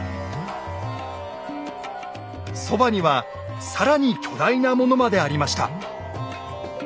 そばには更に巨大なものまでありました。